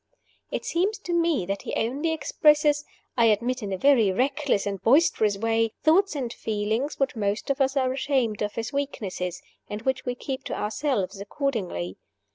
It seems to me that he only expresses I admit in a very reckless and boisterous way thoughts and feelings which most of us are ashamed of as weaknesses, and which we keep to ourselves accordingly.